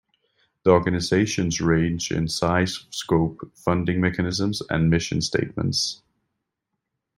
The organizations range in size, scope, funding mechanisms, and mission statements.